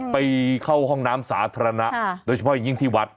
ไปเข้าห้องน้ำสาธารณะโดยเฉพาะอย่างยิ่งที่วัด